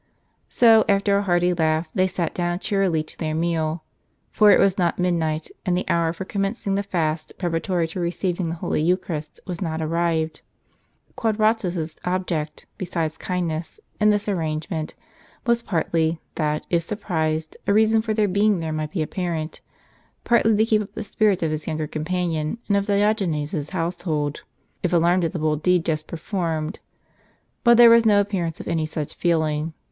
So, after a hearty laugh, they sat down cheerfully to their meal ; for it was not midnight, and the hour for commencing the fast, preparatory to receiving the holy Eucharist, was not arrived. Quadratus's object, besides kindness, in this arrangement, was partly, that if surpi'ised, a reason for their being there might be apparent, partly to keep up the spirits of his younger companion and of Diogenes's household, if alarmed at the bold deed just performed. But there was no appearance of any such feeling.